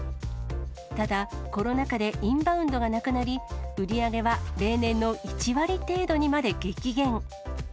ただ、コロナ禍でインバウンドがなくなり、売り上げは例年の１割程度にまで激減。